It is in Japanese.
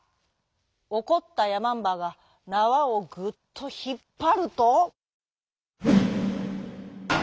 おこったやまんばがなわをグっとひっぱると。